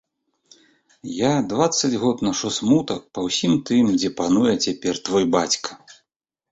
Я дваццаць год нашу смутак па ўсім тым, дзе пануе цяпер твой бацька.